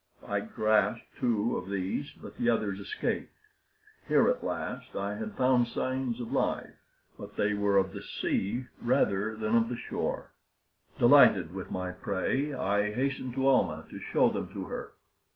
I grasped two of these, but the others escaped. Here at last I had found signs of life, but they were of the sea rather than of the shore. Delighted with my prey, I hastened to Almah to show them to her.